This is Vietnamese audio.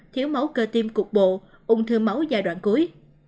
thiếu máu cơ tim cục bộ ung thư máu giai đoạn cuối